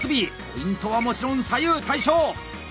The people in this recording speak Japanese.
ポイントはもちろん左右対称。